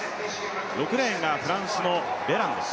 ６レーンがフランスのベランです。